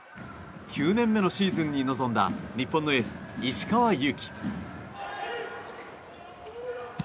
９年目のシーズンに臨んだ日本のエース、石川祐希。